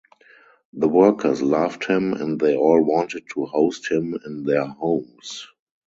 The workers loved him and they all wanted to host him in their homes.